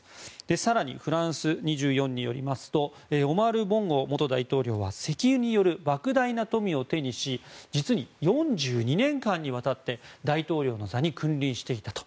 更に、フランス２４によりますとオマール・ボンゴ元大統領は石油によるばく大な富を手にし実に４２年間にわたって大統領の座に君臨していたと。